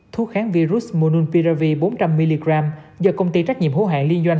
thuốc kháng virus mononpiravir bốn trăm linh mg do công ty trách nhiệm hữu hạn liên doanh